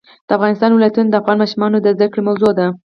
د افغانستان ولايتونه د افغان ماشومانو د زده کړې موضوع ده.